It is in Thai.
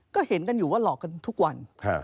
ก็เห็นกันอยู่ว่าหลอกกันทุกวัน